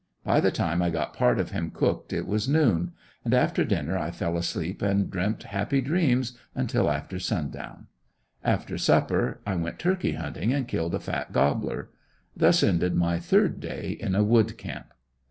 By the time I got part of him cooked it was noon; and after dinner I fell asleep and dreamt happy dreams until after sundown. After supper I went turkey hunting and killed a fat gobbler. Thus ended my third day in a wood camp.